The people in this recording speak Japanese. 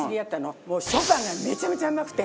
もうショパンがめちゃめちゃうまくて。